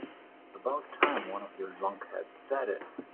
About time one of you lunkheads said it.